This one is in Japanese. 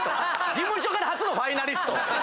事務所から初のファイナリスト！